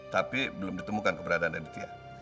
tapi belum ditemukan keberadaan demikian